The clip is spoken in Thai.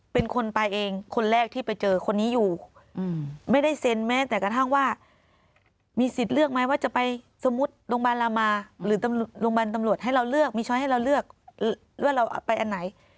เป็นคนไปเองคนแรกที่ไปเจอคนนี้อยู่ไม่ได้เซ็นแม้แต่กระทั่งว่ามีสิทธิ์เลือกไหมว่าจะไปสมมุติโรงพยาบาลลามาหรือโรงพยาบาลตำรวจให้เราเลือกมีช้อยให้เราเลือกว่าเราไปอันไหน